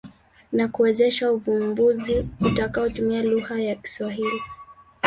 na kuwezesha uvumbuzi utakaotumia lugha ya Kiswahili.